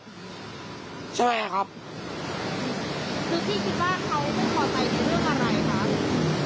คือที่คิดว่าเขาเป็นขอใจถึงเรื่องอะไรคะ